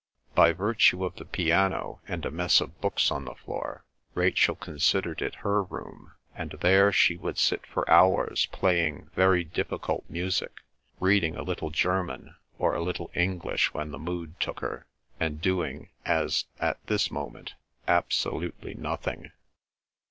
By virtue of the piano, and a mess of books on the floor, Rachel considered it her room, and there she would sit for hours playing very difficult music, reading a little German, or a little English when the mood took her, and doing—as at this moment—absolutely nothing.